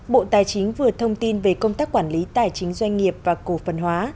bộ tài chính vừa thông tin về công tác quản lý tài chính doanh nghiệp và cổ phần hóa